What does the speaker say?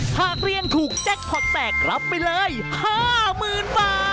หากเรียนถูกแจ็คพอร์ตแตกรับไปเลย๕๐๐๐บาท